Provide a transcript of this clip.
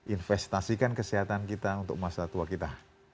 investasikan kesehatan kita untuk masa tua kita